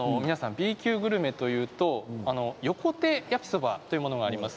Ｂ級グルメというと横手やきそばというものがあります。